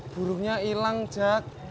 burungnya ilang jack